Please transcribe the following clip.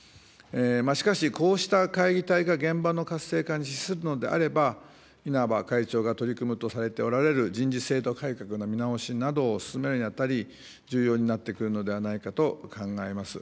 しかし、こうした会議体が現場の活性化に資するのであれば、稲葉会長が取り組むとされておられる人事制度改革の見直しなどを進めるにあたり、重要になってくるのではないかと考えます。